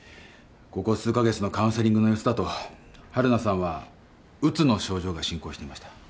ここ数カ月のカウンセリングの様子だと晴汝さんはうつの症状が進行していました。